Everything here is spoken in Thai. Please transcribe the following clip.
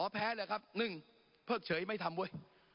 แพ้เลยครับ๑เพิกเฉยไม่ทำเว้ย